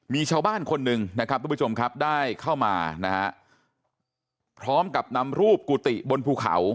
มีชาวบ้านคนหนึ่งนะครับทุกผู้ชมครับได้เข้ามานะฮะพร้อมกับนำรูปกุฏิบนภูเขา